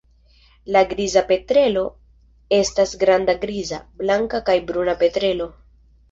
La Griza petrelo estas granda griza, blanka kaj bruna petrelo.